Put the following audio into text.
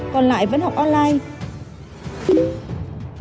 còn lại vẫn học online